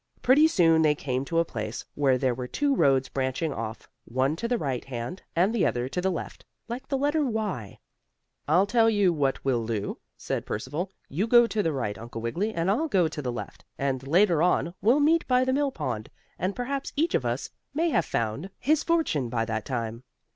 Pretty soon they came to a place where there were two roads branching off, one to the right hand and the other to the left, like the letter "Y." "I'll tell you what we'll do," said Percival, "you go to the right, Uncle Wiggily, and I'll go to the left, and, later on, we'll meet by the mill pond, and perhaps each of us may have found his fortune by that time."